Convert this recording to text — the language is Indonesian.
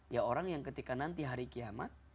ya orang yang ketika nanti hari kiamat